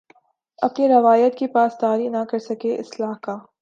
اپنی روایت کی پاسداری نہ کر سکے اصلاح کا